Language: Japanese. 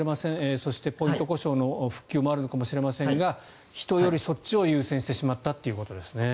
そしてポイント故障の復旧もあるのかもしれませんが人よりそっちを優先してしまったということですね。